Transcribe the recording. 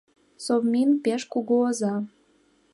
— Совмин — пеш кугу оза.